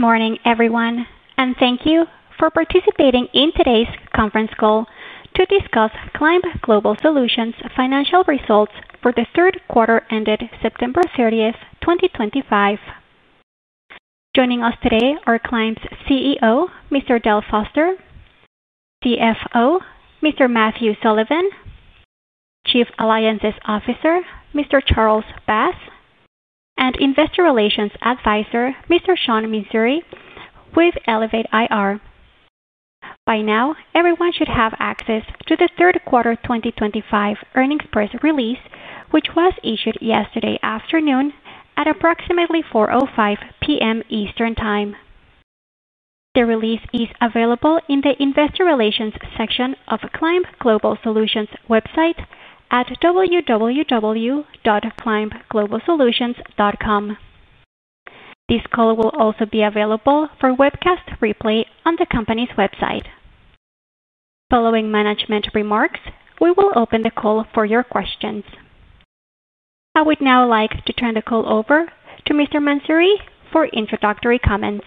Good morning everyone and thank you for participating in today's conference call to discuss Climb Global Solutions financial results for the third quarter ended September 30th, 2025. Joining us today are Climb's CEO Mr. Dale Foster, CFO Mr. Matthew Sullivan, Chief Alliances Officer Mr. Charles Bass, and Investor Relations Advisor, Mr. Sean Mansouri with Elevate IR. By now everyone should have access to the third quarter 2025 earnings press release, which was issued yesterday afternoon at approximately 4:05 P.M. Eastern Time. The release is available in the Investor Relations section of Climb Global Solutions website and at www.climbglobalsolutions.com. This call will also be available for webcast replay on the company's website. Following management remarks, we will open the call for your questions. I would now like to turn the call over to Mr. Mansouri for introductory comments.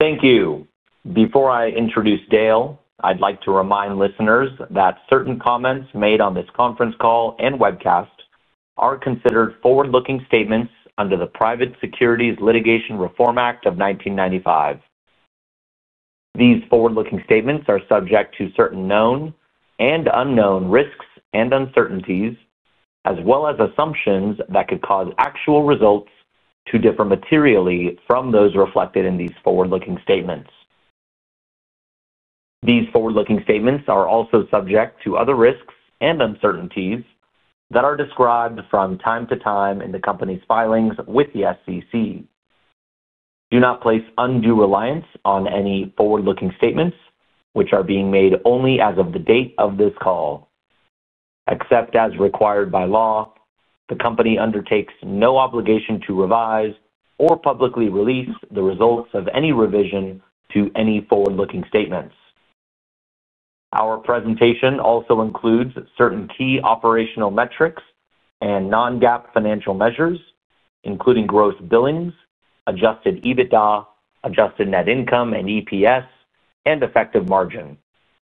Thank you. Before I introduce Dale, I'd like to remind listeners that certain comments made on this conference call and webcast are considered forward-looking statements under the Private Securities Litigation Reform Act of 1995. These forward-looking statements are subject to certain known and unknown risks and uncertainties as well as assumptions that could cause actual results to differ materially from those reflected in these forward-looking statements. These forward-looking statements are also subject to other risks and uncertainties that are described from time to time in the Company's filings with the SEC. Do not place undue reliance on any forward-looking statements which are being made only as of the date of this call. Except as required by law, the Company undertakes no obligation to revise or publicly release the results of any revision to any forward-looking statements. Our presentation also includes certain key operational metrics and non-GAAP financial measures including gross billings, Adjusted EBITDA, adjusted net income and EPS and effective margin.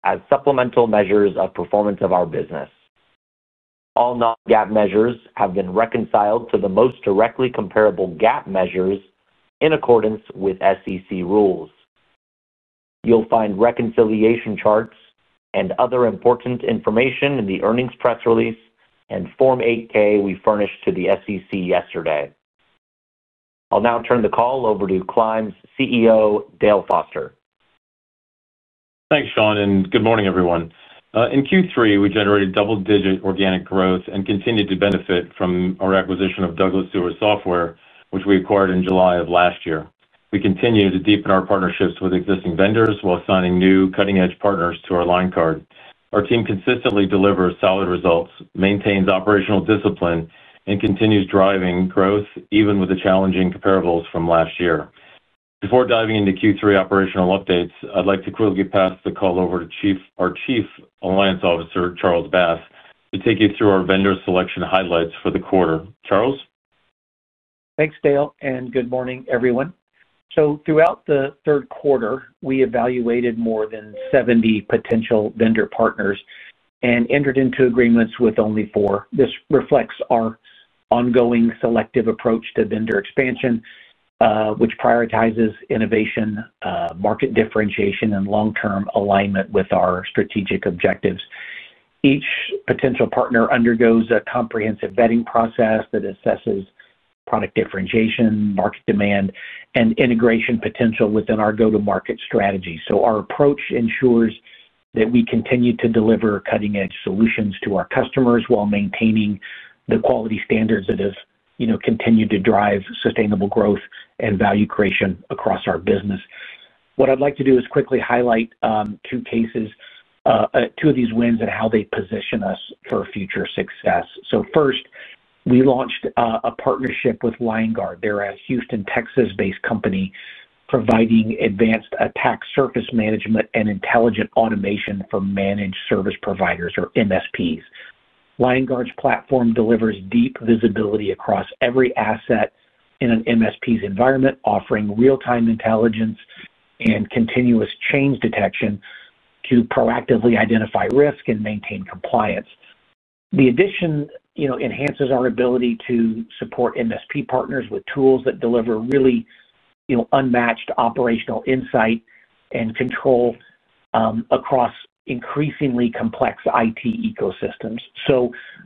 As supplemental measures of performance of our business, all non-GAAP measures have been reconciled to the most directly comparable GAAP measures in accordance with SEC rules. You'll find reconciliation charts and other important information in the earnings press release and Form 8-K we furnished to the SEC yesterday. I'll now turn the call over to Climb's CEO Dale Foster. Thanks Sean and good morning everyone. In Q3 we generated double digit organic growth and continued to benefit from our acquisition of Douglas Stewart Software which we acquired in July of last year. We continue to deepen our partnerships with existing vendors while signing new cutting edge partners to our line card. Our team consistently delivers solid results, maintains operational discipline, and continues driving growth even with the challenging comparables from last year. Before diving into Q3 operational updates, I'd like to quickly pass the call over to our Chief Alliances Officer Charles Bass to take you through our vendor selection highlights for the quarter. Charles, thanks Dale, and good morning everyone. Throughout the third quarter, we evaluated more than 70 potential vendor partners and entered into agreements with only four. This reflects our ongoing selective approach to vendor expansion, which prioritizes innovation, market differentiation, and long-term alignment with our strategic objectives. Each potential partner undergoes a comprehensive vetting process that assesses product differentiation, market demand, and integration potential within our go-to-market strategy. Our approach ensures that we continue to deliver cutting-edge solutions to our customers while maintaining the quality standards that are set. We continue to drive sustainable growth and value creation across our business. I'd like to quickly highlight two cases, two of these wins, and how they position us for future success. First, we launched a partnership with Liongard. They're a Houston, Texas-based company providing advanced attack surface management and intelligent automation for managed service providers, or MSPs. Liongard's platform delivers deep visibility across every asset in an MSP's environment, offering real-time intelligence and continuous change detection to proactively identify risk and maintain compliance. The addition enhances our ability to support MSP partners with tools that deliver really unmatched operational insight and control across increasingly complex IT ecosystems.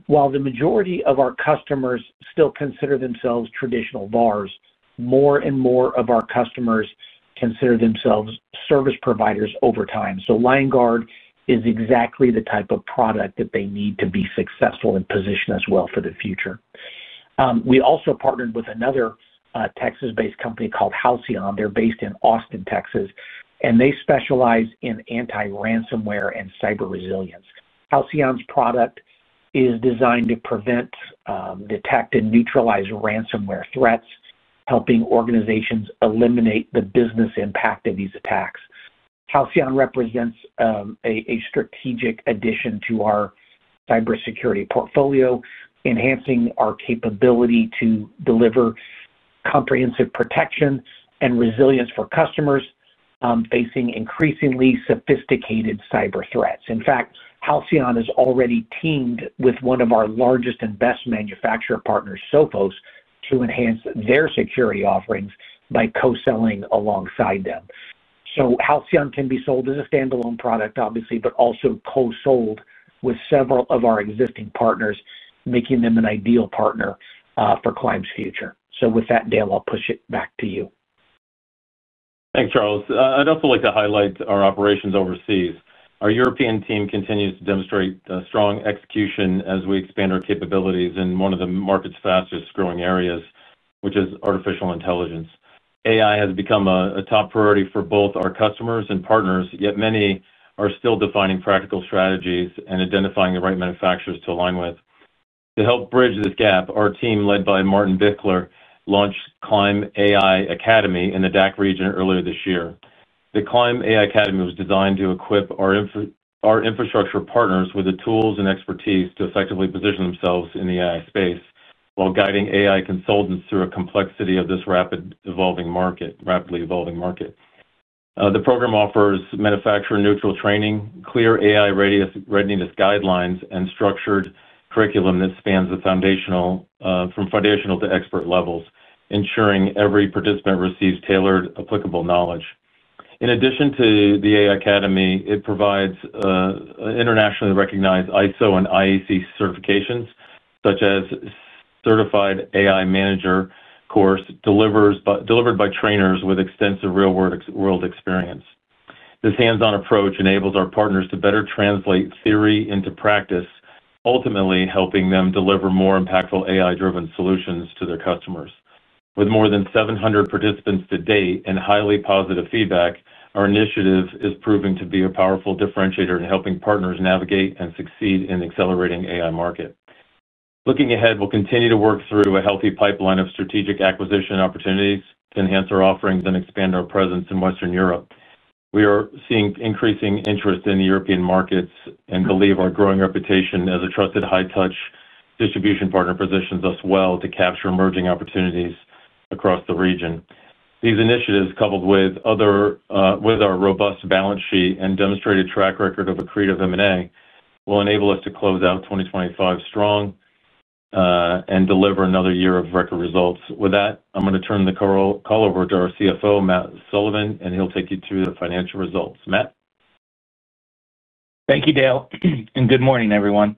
While the majority of our customers still consider themselves traditional VARs, more and more of our customers consider themselves service providers over time. Liongard is exactly the type of product that they need to be successful and position us well for the future. We also partnered with another Texas-based company called Halcyon. They're based in Austin, Texas, and they specialize in anti-ransomware and cyber resilience. Halcyon's product is designed to prevent, detect, and neutralize ransomware threats, helping organizations eliminate the business impact of these attacks. Halcyon represents a strategic addition to our cybersecurity portfolio, enhancing our capability to deliver comprehensive protection and resilience for customers facing increasingly sophisticated cyber threats. In fact, Halcyon has already teamed with one of our largest and best manufacturer partners, Sophos, to enhance their security offerings by co-selling alongside them. Halcyon can be sold as a standalone product, obviously, but also co-sold with several of our existing partners, making them an ideal partner for Climb's future. With that, Dale, I'll push it back to you. Thanks, Charles. I'd also like to highlight our operations overseas. Our European team continues to demonstrate strong execution as we expand our capabilities in one of the market's fastest growing areas, which is artificial intelligence. AI has become a top priority for both our customers and partners. Yet many are still defining practical strategies and identifying the right manufacturers to align with. To help bridge this gap, our team led by Martin Bichler launched Climb AI Academy in the DACH region earlier this year. The Climb AI Academy was designed to equip our infrastructure partners with the tools and expertise to effectively position themselves in the AI space while guiding AI consultants through the complexity of this rapidly evolving market. The program offers manufacturer-neutral training, clear AI readiness guidelines, and structured curriculum that spans from foundational to expert levels, ensuring every participant receives tailored, applicable knowledge. In addition to the AI Academy, it provides internationally recognized ISO and IAC certifications such as the Certified AI Manager course delivered by trainers with extensive real-world experience. This hands-on approach enables our partners to better translate theory into practice, ultimately helping them deliver more impactful AI-driven solutions to their customers. With more than 700 participants to date and highly positive feedback, our initiative is proving to be a powerful differentiator in helping partners navigate and succeed in the accelerating AI market. Looking ahead, we'll continue to work through a healthy pipeline of strategic acquisition opportunities to enhance our offerings and expand our presence in Western Europe. We are seeing increasing interest in the European markets and believe our growing reputation as a trusted, high-touch distribution partner positions us well to capture emerging opportunities across the region. These initiatives, coupled with our robust balance sheet and demonstrated track record of accretive M&A, will enable us to close out 2025 strong and deliver another year of record results. With that, I'm going to turn the call over to our CFO, Matt Sullivan, and he'll take you through the financial results. Matt, thank you, Dale, and good morning, everyone.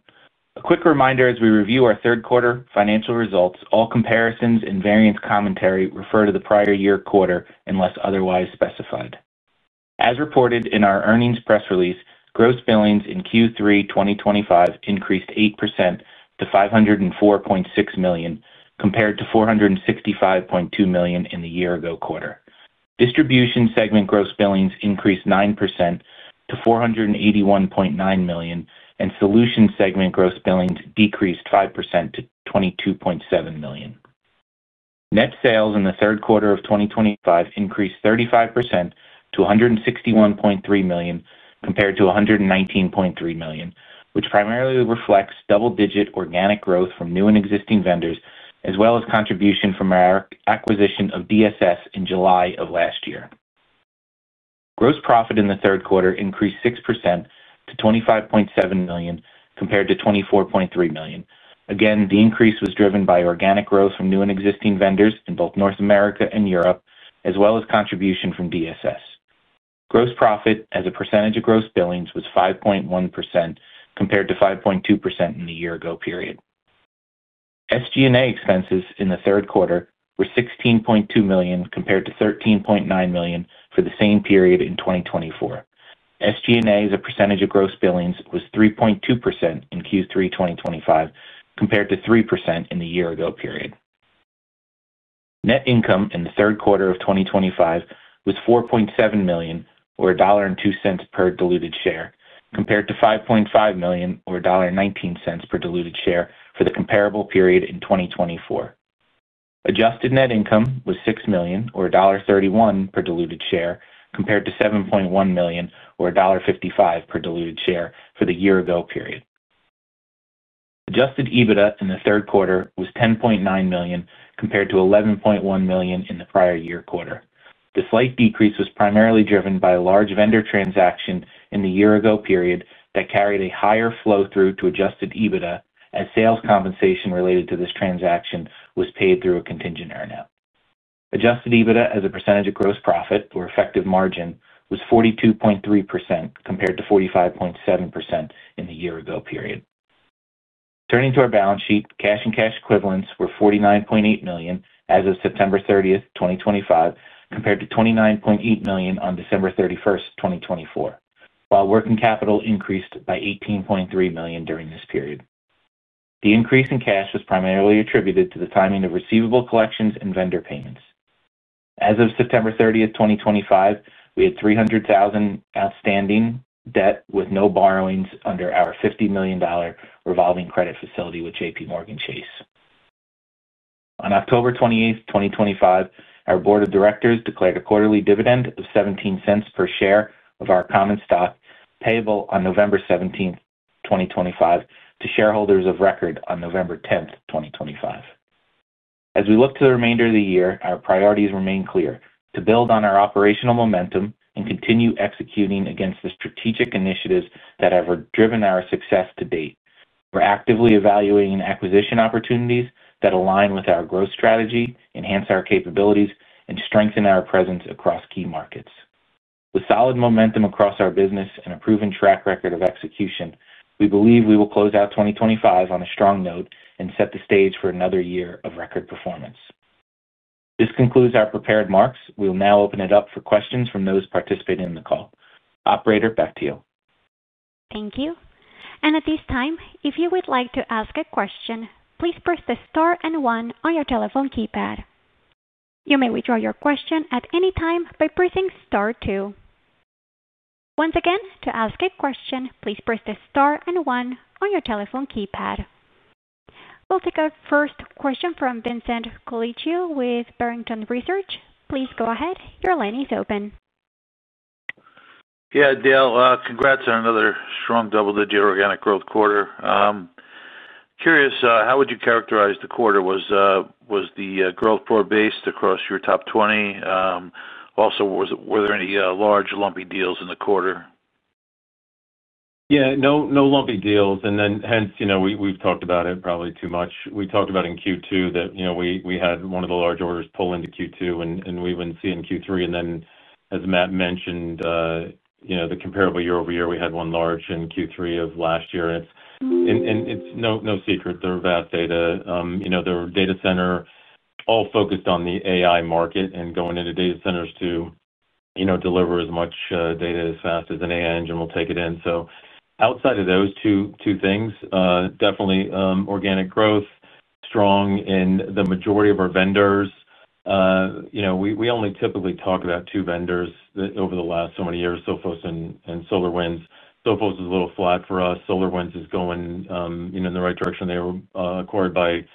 A quick reminder as we review our third quarter financial results, all comparisons and variance commentary refer to the prior year quarter unless otherwise specified. As reported in our earnings press release, gross billings in Q3 2025 increased 8% to $504.6 million compared to $465.2 million in the year-ago quarter. Distribution segment gross billings increased 9% to $481.9 million, and solutions segment gross billings decreased 5% to $22.7 million. Net sales in the third quarter of 2025 increased 35% to $161.3 million compared to $119.3 million, which primarily reflects double-digit organic growth from new and existing vendors as well as contribution from our acquisition of DSS in July of last year. Gross profit in the third quarter increased 6% to $25.7 million compared to $24.3 million. Again, the increase was driven by organic growth from new and existing vendors in both North America and Europe, as well as contribution from DSS. Gross profit as a percentage of gross billings was 5.1% compared to 5.2%. The year ago period. SGA expenses in the third quarter were $16.2 million compared to $13.9 million for the same period in 2024. SGA as a percentage of gross billings was 3.2% in Q3 2025 compared to 3% in the year period. Net income in the third quarter of 2025 was $4.7 million or $1.02 per diluted share compared to $5.5 million or $1.19 per diluted share for the comparable period in 2024. Adjusted net income was $6 million, or $1.31 per diluted share compared to $7.1 million or $1.55 per diluted share for the year ago period. Adjusted EBITDA in the third quarter was $10.9 million compared to $11.1 million in. The prior year quarter. The slight decrease was primarily driven by a large vendor transaction in the year ago period that carried a higher flow through to Adjusted EBITDA as sales compensation related to this transaction was paid through a contingent earn out. Adjusted EBITDA as a percentage of gross profit or effective margin was 42.3% compared to 45.7% in the year ago period. Turning to our balance sheet, cash and cash equivalents were $49.8 million as of September 30th, 2025 compared to $29.8 million on December 31st, 2024. While working capital increased by $18.3 million during this period, the increase in cash was primarily attributed to the timing of receivable collections and vendor payments. As of September 30th, 2025, we had $300,000 outstanding debt with no borrowings under our $50 million revolving credit facility with JPMorgan Chase. On October 28, 2025, our Board of Directors declared a quarterly dividend of $0.17 per share of our common stock payable on November 17, 2025 to shareholders of record on November 10, 2025. As we look to the remainder of the year, our priorities remain clear. To build on our operational momentum and continue executing against the strategic initiatives that have driven our success to date, we're actively evaluating acquisition opportunities that align with our growth strategy, enhance our capabilities and strengthen our presence across key markets. With solid momentum across our business and a proven track record of execution, we believe we will close out 2025 on a strong note and set the stage for another year of record performance. This concludes our prepared remarks. We will now open it up for questions from those participating in the call. Operator, back to you. Thank you. At this time, if you would like to ask a question, please press the star and one on your telephone keypad. You may withdraw your question at any time by pressing star two. Once again, to ask a question, please press the star and one on your telephone keypad. We'll take our first question from Vincent Colicchio with Barrington Research. Please go ahead. Your line is open. Yeah, Dale, congrats on another strong double-digit organic growth quarter. Curious, how would you characterize the quarter? Was the growth pro based across your top 20? Also, were there any large lumpy deals in the quarter? Yeah, no lumpy deals. We've talked about it probably too much. We talked about in Q2 that we had one of the large orders pull into Q2 and we wouldn't see in Q3, and then as Matt mentioned, the comparable year-over-year, we had one large in Q3 of last year. It's no secret, they're vast data. Their data center all focused on the AI market and going into data centers to deliver as much data as fast as an AI engine will take it in. Outside of those two things, definitely organic growth strong in the majority of our vendors. We only typically talk about two vendors over the last so many years, Sophos and SolarWinds. Sophos is a little flat for us. SolarWinds is going in the right direction. They were acquired by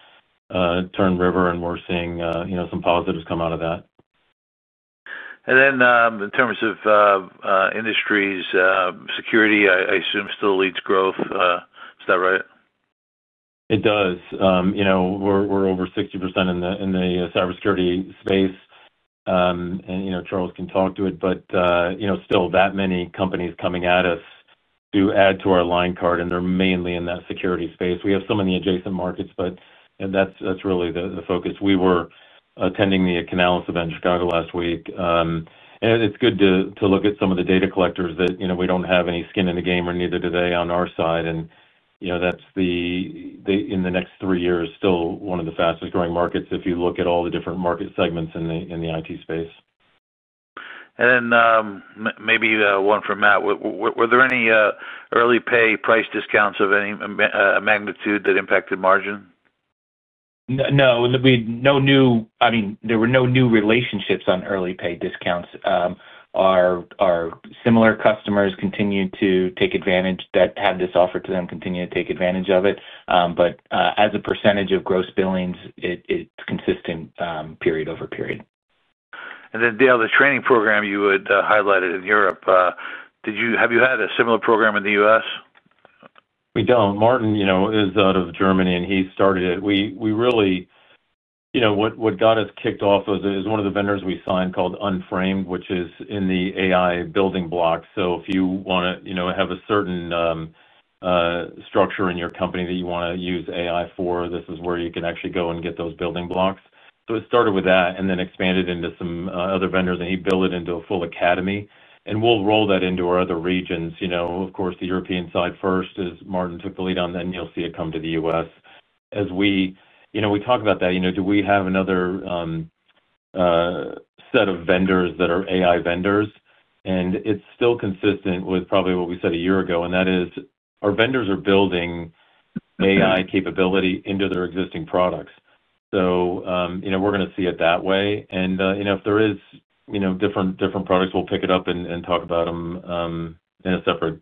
Turn River and we're seeing some positives come out of that. In terms of industries, security I assume still leads growth, is that right? It does. We're over 60% in the cybersecurity space. Charles can talk to it, but still that many companies coming at us do add to our line card and they're mainly in that security space. We have so many adjacent markets and that's really the focus. We were attending the Canalys event in Chicago last week and it's good to look at some of the data collectors that we don't have any skin in the game or neither do they on our side. In the next three years, still one of the fastest growing markets if you look at all the different market segments in the IT space. Maybe one for Matt, were there any early pay price discounts of any magnitude that impacted margin? No new. I mean there were no new relationships on early pay discounts. Our similar customers continue to take advantage that had this offer to them, continue to take advantage of it. As a percentage of gross billings, it's consistent period over period. Dale, the training program you. Had highlighted in Europe, have you had a similar program in the U.S.? We don't. Martin, you know, is out of Germany and he started it. What got us kicked off is one of the vendors we signed called Unframe, which is in the AI building blocks. If you want to have a certain structure in your company that you want to use AI for, this is where you can actually go and get those building blocks. It started with that and then expanded into some other vendors and he built it into a full academy. We'll roll that into our other regions, of course the European side first as Martin took the lead on. You'll see it come to the U.S. as we talk about that. Do we have another set of vendors that are AI vendors? It's still consistent with probably what we said a year ago, and that is our vendors are building AI capability into their existing products. We're going to see it that way. If there are different products, we'll pick it up and talk about them in a separate,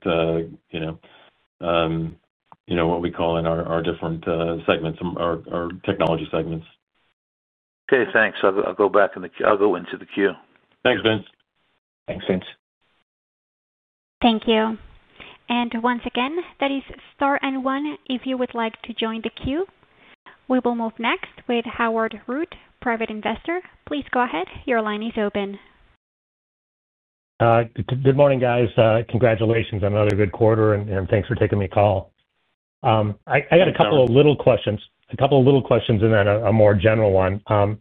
what we call in our different segments, our technology segments. Okay, thanks. I'll go into the queue. Thanks, Vince. Thanks Vince. Thank you. Once again, that is Star N1. If you would like to join the queue, we will move next with Howard Root, private investor. Please go ahead. Your line is open. Good morning, guys. Congratulations on another good quarter, and thanks for taking my call. I got a couple of little questions and then a more general one, kind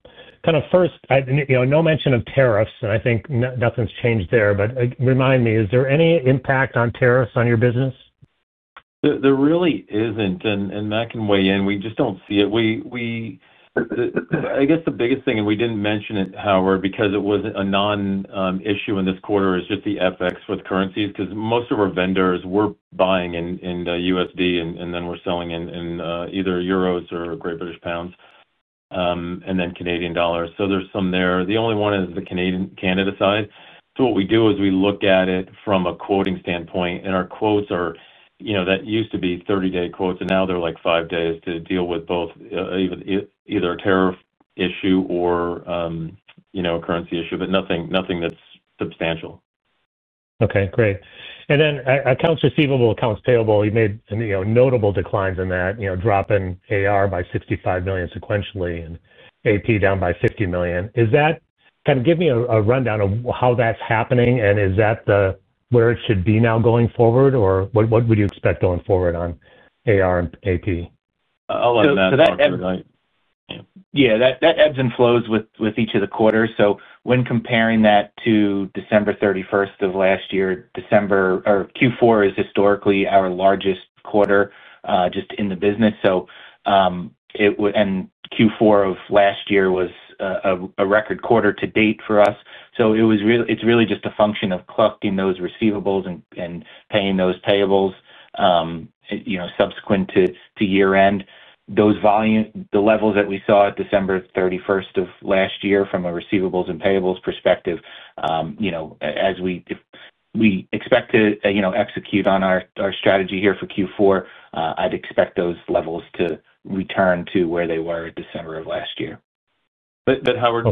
of. First, no mention of tariffs, and I think nothing's changed there. Remind me, is there any impact on tariffs on your business? There really isn't and that can weigh in. We just don't see it. I guess the biggest thing, and you didn't mention it, Howard, because it was a non-issue in this quarter, is just the FX with currencies because most of our vendors we're buying in USD and then we're selling in either Euros or Great British Pounds and then Canadian dollars. There's some there. The only one is the Canada side. What we do is we look at it from a quoting standpoint, and our quotes are, you know, that used to be 30-day quotes and now they're like five days to deal with both either a tariff issue or, you know, a currency issue. Nothing that's substantial. Okay, great. Accounts receivable, accounts payable, you made notable declines in that, you know, drop in AR by $65 million sequentially and AP down by $50 million. Is that kind of give me a rundown of how that's happening and is that the, where it should be now going forward or what would you expect going forward on AR and AP? Yeah, that Ebbs and Flows with each of the quarters. When comparing that to December 31st, of last year, December or Q4 is historically our largest quarter just in the business. So. Q4 of last year was a record quarter to date for us. It's really just a function of collecting those receivables and paying those payables subsequent to year end. Those volume levels that we saw at December 31st, of last year, from a receivables and payables perspective. As we expect to execute on our strategy here for Q4, I'd expect those levels to return to where they were in December of last year. Howard,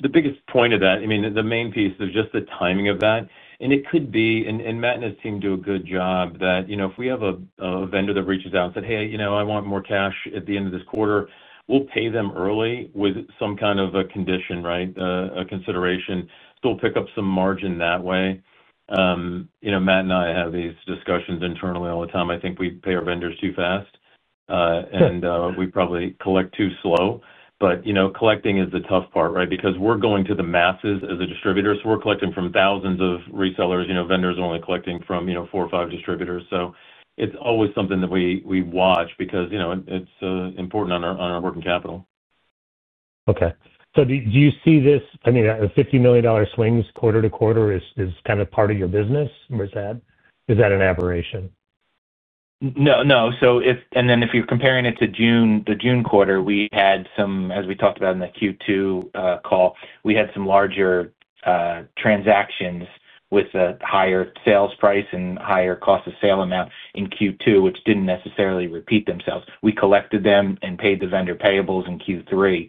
the biggest point of that, the main piece is just the timing of that and it could be, and Matt and his team do a good job. If we have a vendor that reaches out and says, hey, you know, I want more cash at the end of this quarter, we'll pay them early with some kind of a condition, a consideration, still pick up some margin that way. Matt and I have these discussions internally all the time. I think we pay our vendors too fast and we probably collect too slow. Collecting is the tough part because we're going to the masses as a distributor. We're collecting from thousands of resellers. Vendors are only collecting from four or five distributors. It's always something that we watch because it's important on our working capital. Okay, do you see this? I mean, $50 million swings quarter to quarter is kind of part of your business. Is that an aberration? No, no. If you're comparing it to the June quarter, we had some, as we talked about in the Q2 call, larger transactions with a higher sales price and higher cost of sale amount in Q2, which didn't necessarily repeat themselves. We collected them and paid the vendor payables in Q3.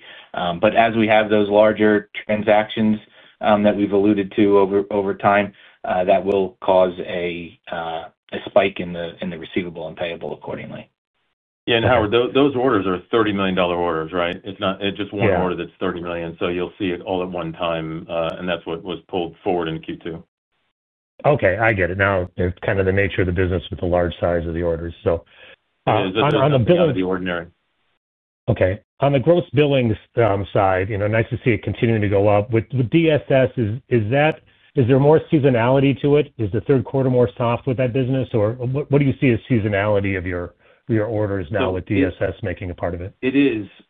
As we have those larger transactions that we've alluded to over time, that will cause a spike in the receivable and payable accordingly. Yeah, and Howard, those orders are $30 million orders, right? It's not just one order that's $30 million. You will see it all at one time. That is what was pulled forward in Q2. Okay, I get it. Now it's kind of the nature of the business with the large size of the orders. On the gross billings side, you know, nice to see it continue to go up with DSS. Is there more seasonality to it? Is the third quarter more soft with that business or what do you see as seasonality of your orders now with DSS making a part of it?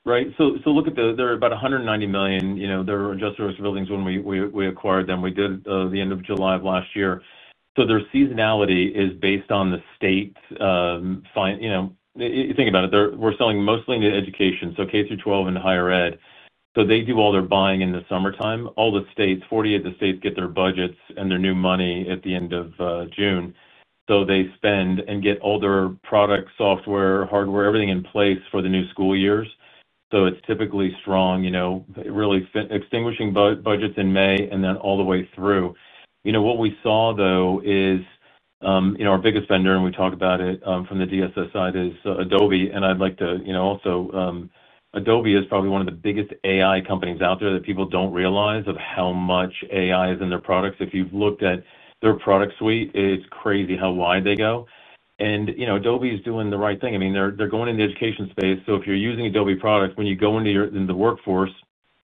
Right. So look at, there are about $190 million. You know, there were adjusters billings when we acquired them, we did the end of July of last year. Their seasonality is based on the state. Think about it. We're selling mostly new education, so K-12 and higher ed. They do all their buying in the summertime. All the states, 40 of the states, get their budgets and their new money at the end of June. They spend and get all their products, software, hardware, everything in place for the new school years. It's typically strong, really extinguishing budgets in May and then all the way through. What we saw though is our biggest vendor, and we talk about it from the DSS side, is Adobe. I'd like to also, Adobe is probably one of the biggest AI companies out there that people don't realize how much AI is in their products. If you've looked at their product suite, it's crazy how wide they go. Adobe is doing the right thing. They're going in the education space. If you're using Adobe product when you go into the workforce,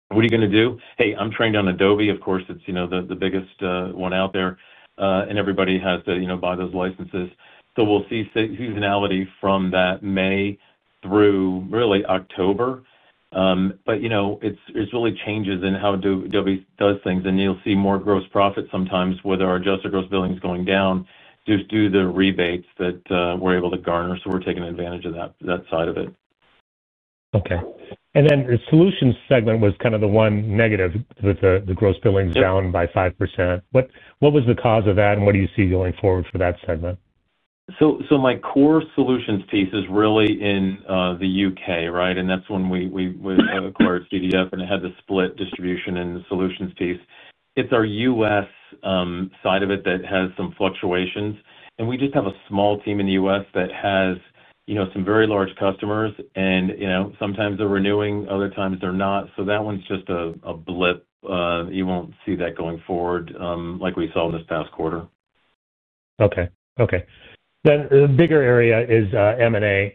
what are you going to do? Hey, I'm trained on Adobe. Of course, it's the biggest one out there and everybody has to buy those licenses. We'll see seasonality from that May through really October. It's really changes in how Adobe does things and you'll see more gross profit sometimes with our adjusted gross billings going down, just due to the rebates that we're able to garner. We're taking advantage of that side of it. Okay. The solutions segment was kind of the one negative with the gross billings down by 5%. What was the cause of that, and what do you see going forward for that segment? My core solutions piece is really in the U.K., right. That's when we acquired CDF and it had the split distribution and solutions piece. It's our U.S. side of it that has some fluctuations, and we just have a small team in the U.S. that has some very large customers, and sometimes they're renewing, other times they're not. That one's just a blip. You won't see that going forward like we saw in this past quarter. Okay. The bigger area is M&A.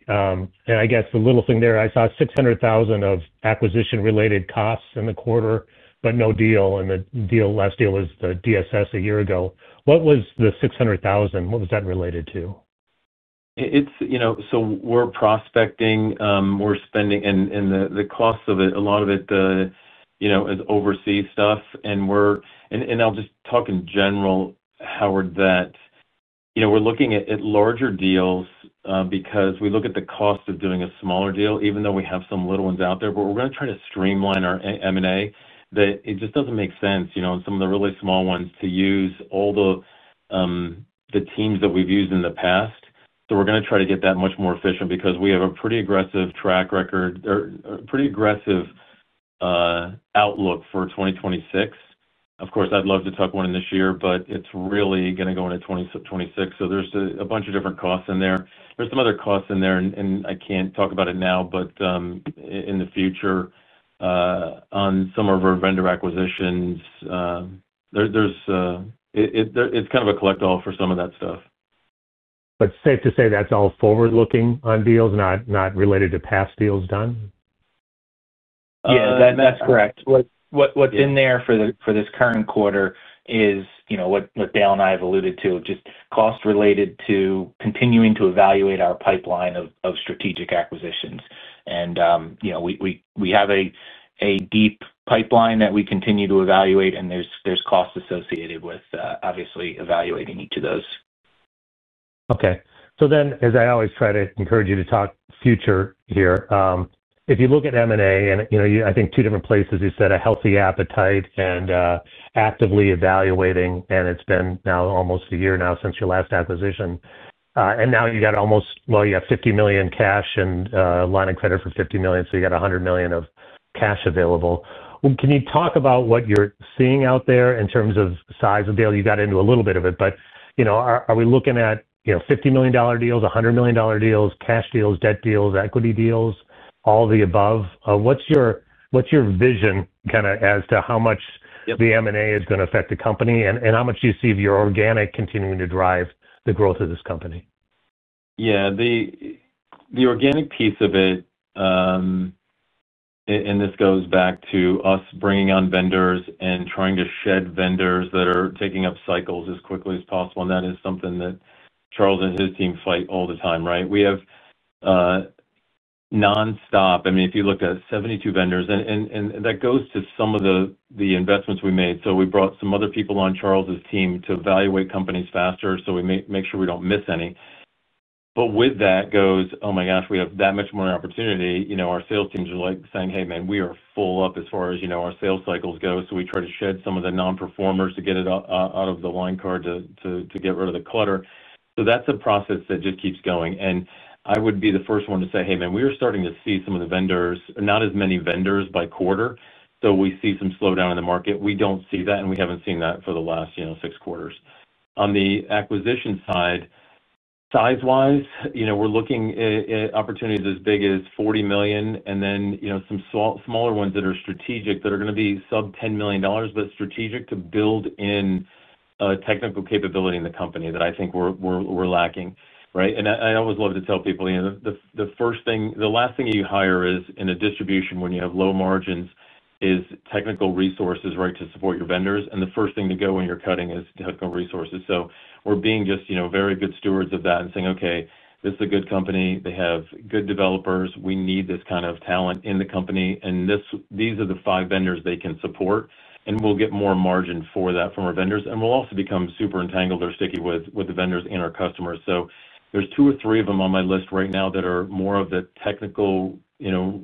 I guess the little thing there, I saw $600,000 of acquisition related costs in the quarter, but no deal. The last deal was the DSS a year ago. What was the $600,000, what was that related to? We're prospecting, we're spending and the cost of it, a lot of it, is overseas stuff. I'll just talk in general, Howard, that we're looking at larger deals because we look at the cost of doing a smaller deal even though we have some little ones out there. We're going to try to streamline our M&A, that it just doesn't make sense, some of the really small ones to use all the teams that we've used in the past. We're going to try to get that much more efficient because we have a pretty aggressive track record or pretty aggressive outlook for 2026. Of course I'd love to talk one in this year, but it's really going to go into 2026. There's a bunch of different costs in there. There's some other costs in there and I can't talk about it now, but in the future on some of our vendor acquisitions, it's kind of a collect all for some of that stuff. is safe to say that's all forward looking on deals not related to past deals done. Yeah, that's correct. What's in there for this current quarter is what Dale and I have alluded to, just cost related to continuing to evaluate our pipeline of strategic acquisitions. We have a deep pipeline that we continue to evaluate and there's costs associated with obviously evaluating each of those. Okay, as I always try to encourage you to talk future here, if you look at M&A and, you know, I think two different places. You set a healthy appetite and actively evaluating. It's been almost a year now since your last acquisition and now you have almost, well, you have $50 million cash and a line of credit for $50 million. You have $100 million of cash available. Can you talk about what you're seeing out there in terms of size of deal? You got into a little bit of it, but, you know, are we looking at $50 million deals, $100 million deals, cash deals, debt deals, equity deals, all of the above? What's your vision as to how much the M&A is going to affect the company and how much do you see of your organic continuing to drive the growth of this company? Yeah, the organic piece of it. This goes back to us bringing on vendors and trying to shed vendors that are taking up cycles as quickly as possible. That is something that Charles and his team fight all the time. We have nonstop. If you look at 72 vendors, that goes to some of the investments we made. We brought some other people on Charles's team to evaluate companies faster. We make sure we don't miss any. With that goes, oh my gosh, we have that much more opportunity. Our sales teams are like saying, hey man, we are full up as far as our sales cycles go. We try to shed some of the non-performers to get it out of the line card to get rid of the clutter. That's a process that just keeps going. I would be the first one to say, hey man, we are starting to see some of the vendors, not as many vendors by quarter. We see some slowdown in the market. We don't see that and we haven't seen that for the last six quarters. On the acquisition side, size wise, we're looking at opportunities as big as $40 million and then some smaller ones that are strategic that are going to be sub $10 million but strategic to build in technical capability in the company that I think we're lacking. Right. I always love to tell people the first thing, the last thing you hire in distribution when you have low margins is technical resources, right, to support your vendors. The first thing to go when you're cutting is technical resources. We're being just, you know, very good stewards of that and saying, okay, this is a good company, they have good developers. We need this kind of talent in the company. These are the five vendors they can support and we'll get more margin for that from our vendors. We'll also become super entangled or sticky with the vendors and our customers. There are two or three of them on my list right now that are more of the technical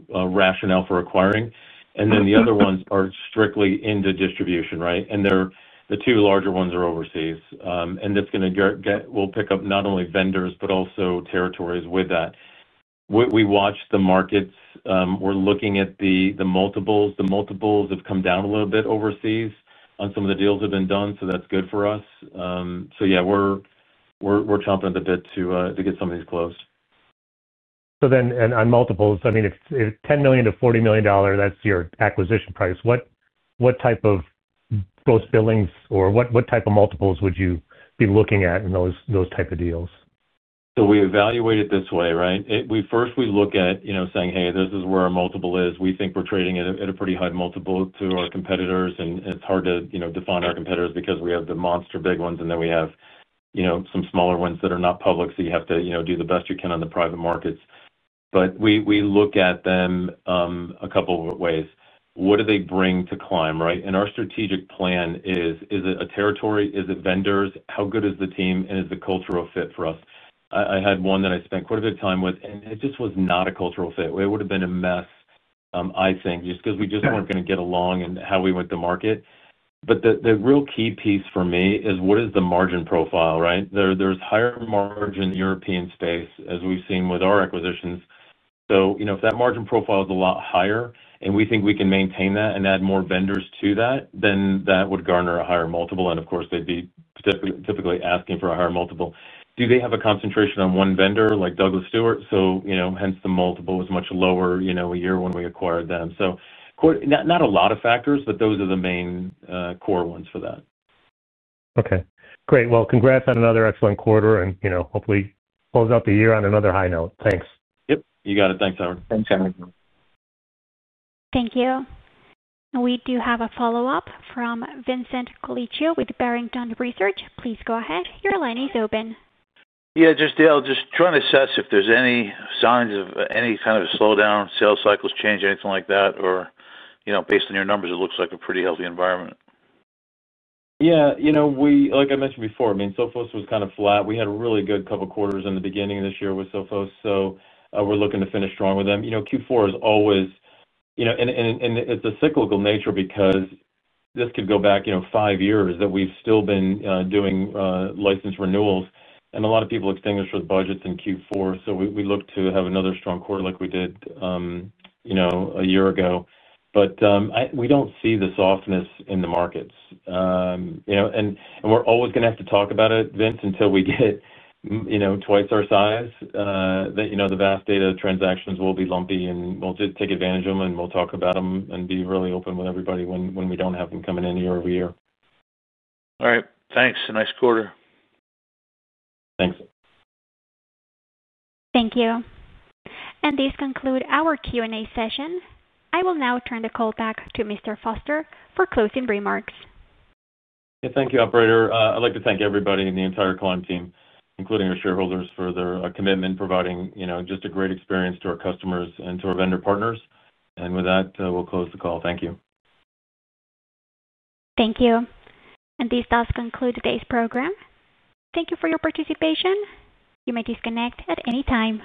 rationale for acquiring. The other ones are strictly into distribution, right, and the two larger ones are overseas. That's going to get, we'll pick up not only vendors but also territories. With that, we watch the markets, we're looking at the multiples. The multiples have come down a little bit overseas on some of the deals that have been done, so that's good for us. We're chomping at the bit to get some of these closed. On multiples, I mean, it's $10 million-$40 million, that's your acquisition price. What type of gross billings or what type of multiples would you be looking at in those type of deals? We evaluate it this way, right? First, we look at saying, hey, this is where our multiple is. We think we're trading at a pretty high multiple to our competitors. It's hard to define our competitors because we have the monster big ones and then we have some smaller ones that are not public. You have to do the best you can on the private markets. We look at them a couple ways. What do they bring to Climb, right? Our strategic plan is, is it a territory, is it vendors, how good is the team, and is the cultural fit for us? I had one that I spent quite a bit of time with and it just was not a cultural fit. It would have been a mess, I think, just because we just weren't going to get along and how we went to market. The real key piece for me is what is the margin profile, right? There's higher margin, European space, as we've seen with our acquisitions. If that margin profile is a lot higher and we think we can maintain that and add more vendors to that, then that would garner a higher multiple. Of course, they'd be typically asking for a higher multiple. Do they have a concentration on one vendor like Douglas Stewart? Hence, the multiple was much lower a year when we acquired them. Not a lot of factors, but those are the main core ones for that. Okay, great. Congrats on another excellent quarter and you know, hopefully close out the year on another high note. Thanks. Yep, you got it. Thanks, Howard. Thanks, Howard. Thank you. We do have a follow-up from Vincent Colicchio with Barrington Research. Please go ahead. Your line is open. Yeah, Dale, just trying to assess. If there's any signs of any kind. Of slowdown, sales cycles change, anything like that. That, based on your. Numbers, it looks like a pretty healthy environment. Yeah, you know, like I mentioned before, I mean, Sophos was kind of flat. We had a really good couple quarters in the beginning of this year with Sophos, so we're looking to finish strong with them. Q4 is always a cyclical nature because this could go back five years that we've still been doing license renewals, and a lot of people extinguish with budgets in Q4. We look to have another strong quarter like we did a year ago. We don't see the softness in the markets, and we're always going to have to talk about it, Vince, until we get twice our size that the vast data transactions will be lumpy, and we'll just take advantage of them and we'll talk about them and be really open with everybody when we don't have them coming in year-over-year. All right, thanks. Nice quarter. Thanks. Thank you. This concludes our Q&A session. I will now turn the call back to Mr. Foster for closing remarks. Thank you, operator. I'd like to thank everybody and the entire Climb team, including our shareholders, for their commitment providing just a great experience to our customers and to our vendor partners. With that, we'll close the call. Thank you. Thank you. This does conclude today's program. Thank you for your participation. You may disconnect at any time.